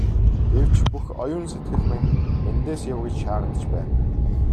Гэвч бүх оюун сэтгэл минь эндээс яв гэж шаардаж байна.